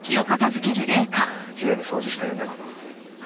ハァ奇麗に掃除してるんだけど。